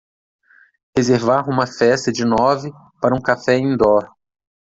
reservar uma festa de nove para um café indoor